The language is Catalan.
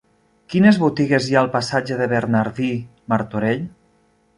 Quines botigues hi ha al passatge de Bernardí Martorell?